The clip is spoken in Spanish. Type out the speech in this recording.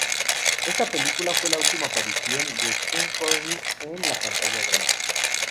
Esta película fue la última aparición de Sean Connery en la pantalla grande.